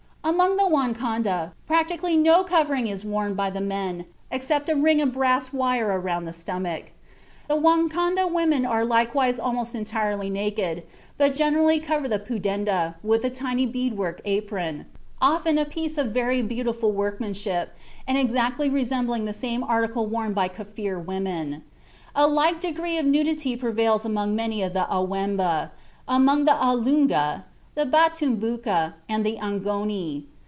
Among the Wankonda, practically no covering is worn by the men except a ring of brass wire around the stomach. The Wankonda women are likewise almost entirely naked, but generally cover the pudenda with a tiny bead work apron, often a piece of very beautiful workmanship, and exactly resembling the same article worn by Kaffir women. A like degree of nudity prevails among many of the Awemba, among the A lungu, the Batumbuka, and the Angoni.